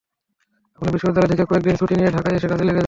আপনি বিশ্ববিদ্যালয় থেকে কয়েক দিন ছুটি নিয়ে ঢাকায় এসে কাজে লেগে যান।